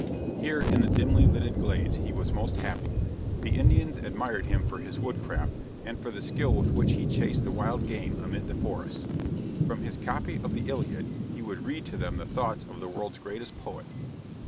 Here in the dimly lighted glades he was most happy. The Indians admired him for his woodcraft and for the skill with which he chased the wild game amid the forests. From his copy of the "Iliad" he would read to them the thoughts of the world's greatest poet.